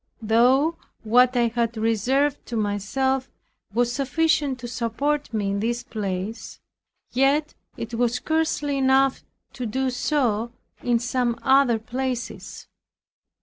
Though what I had reserved to myself was sufficient to support me in this place; yet it was scarcely enough to do so in some other places.